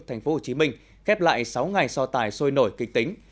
thành phố hồ chí minh khép lại sáu ngày so tài sôi nổi kịch tính